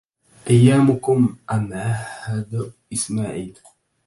أيامكم أم عهد إسماعيلا